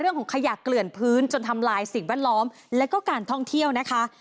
เรื่องของขยะเกลื่อนพื้นจนทำลายสิ่งแวดล้อมและก็การท่องเที่ยวนะคะ